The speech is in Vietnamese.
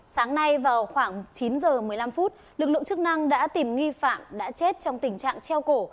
sáng nay vào khoảng chín h một mươi năm phút lực lượng chức năng đã tìm nghi phạm đã chết trong tình trạng treo cổ